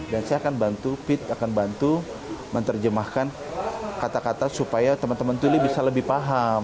dan saya akan bantu pit akan bantu menerjemahkan kata kata supaya teman teman tuli bisa lebih paham